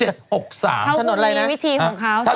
ถ้าผมมีวิธีของเขา